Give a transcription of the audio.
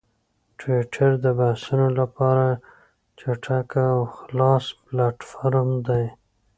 ټویټر د بحثونو لپاره چټک او خلاص پلیټفارم دی.